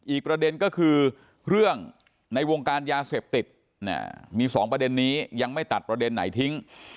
อีกประเด็นก็คือเรื่องในวงการยาเสพติดมี๒ประเด็นนี้ยังไม่ตัดประเด็นไหนทิ้ง